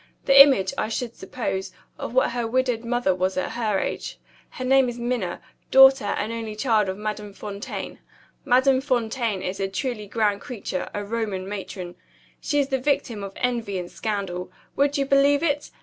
The image, I should suppose, of what her widowed mother was at her age. Her name is Minna. Daughter and only child of Madame Fontaine. Madame Fontaine is a truly grand creature, a Roman matron. She is the victim of envy and scandal. Would you believe it?